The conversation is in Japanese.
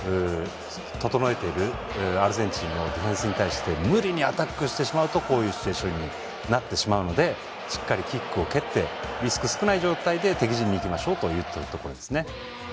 整えているアルゼンチンのディフェンスに対して無理にアタックしてしまうとこういうシチュエーションになってしまうのでしっかりキックを蹴ってリスク少ない状態で敵陣にいきましょうというところですね。